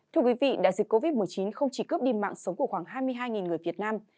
thưa quý vị đại dịch covid một mươi chín không chỉ cướp đi mạng sống của khoảng hai mươi hai người việt nam